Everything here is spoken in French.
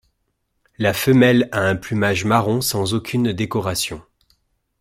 La femelle a un plumage marron sans aucune décoration.